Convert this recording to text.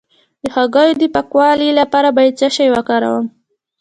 د هګیو د پاکوالي لپاره باید څه شی وکاروم؟